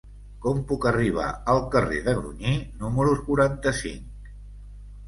Com puc arribar al carrer de Grunyí número quaranta-cinc?